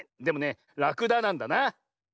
でもねラクダなんだな。